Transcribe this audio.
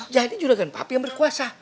jadi juragan papi yang berkuasa